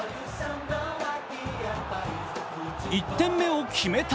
１点目を決めた